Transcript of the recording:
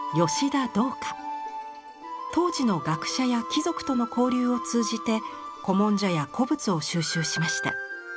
当時の学者や貴族との交流を通じて古文書や古物を収集しました。